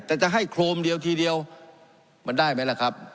แต่จะให้โครมเดียวทีเดียวมันได้ไหมล่ะครับ